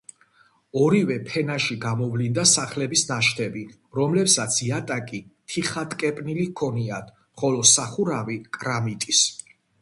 ორივე ფენაში გამოვლინდა სახლების ნაშთები, რომლებსაც იატაკი თიხატკეპნილი ჰქონიათ, ხოლო სახურავი კრამიტის.